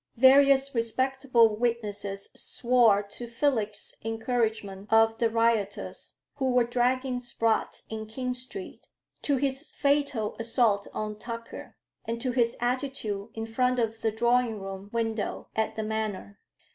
Various respectable witnesses swore to Felix's "encouragement" of the rioters who were dragging Spratt in King Street; to his fatal assault on Tucker; and to his attitude in front of the drawing room window at the Manor.